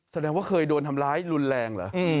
แสดงว่าเคยโดนทำร้ายรุนแรงเหรอ